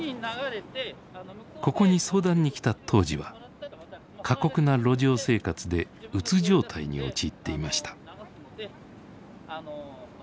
ここに相談に来た当時は過酷な路上生活でうつ状態に陥っていました。